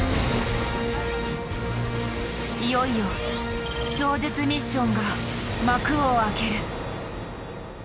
いよいよ超絶ミッションが幕を開ける。